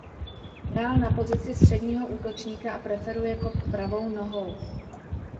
Hrál na pozici středního útočníka a preferuje kop pravou nohou.